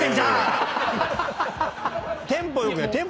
テンポよく。